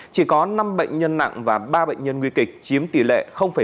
chỉ có năm bệnh nhân nặng và ba bệnh nhân nguy kịch chiếm tỷ lệ bốn